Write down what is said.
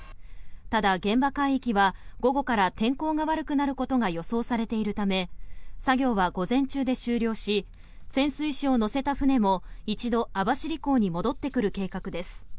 ただ、現場海域は午後から天候が悪くなることが予想されているため作業は午前中で終了し潜水士を乗せた船も１度、網走港に戻ってくる計画です。